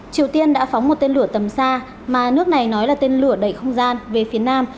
triều tiên đã phóng một tên lửa tầm xa mà nước này nói là tên lửa đẩy không gian về phía nam